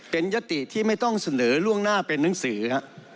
เป็นยติที่ไม่ต้องเสนอล่วงหน้าเป็นหนังสือ